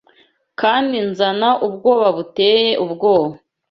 kandi nzana ubwoba buteye ubwoba